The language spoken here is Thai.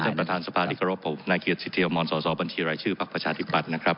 เรียนท่านประธานสภาธิกรบผมนายเกียรติสิทธิวมสสบัญชีรายชื่อภักดิ์ประชาธิบัตรนะครับ